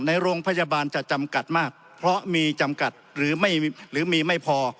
ในโรงพยาบาลจะจำกัดมากเพราะมีจำกัดหรือไม่หรือมีไม่พอ